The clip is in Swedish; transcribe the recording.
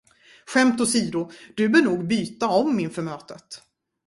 Skämt åsido, du bör nog byta om inför mötet.